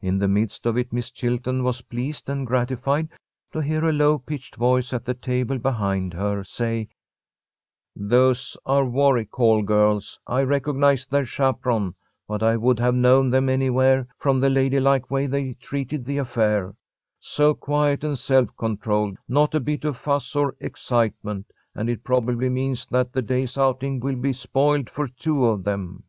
In the midst of it, Miss Chilton was pleased and gratified to hear a low pitched voice at the table behind her say: "Those are Warwick Hall girls. I recognize their chaperon, but I would have known them anywhere from the ladylike way they treated the affair. So quiet and self controlled, not a bit of fuss or excitement, and it probably means that the day's outing will be spoiled for two of them."